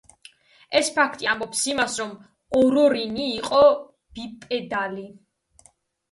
ეს ფაქტი ამბობს იმას, რომ ორორინი იყო ბიპედალი.